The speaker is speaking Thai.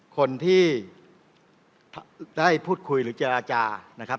คนที่ได้พูดคุยหรือเจรจานะครับ